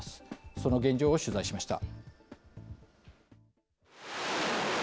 その現状を取材しました。